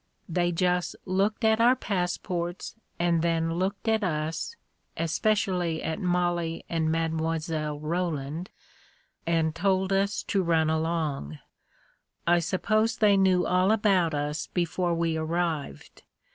They just looked at our passports and then looked at us — especially at Mollie and Mile. Ro land — and told us to run along. I suppose they knew all about us before we arrived.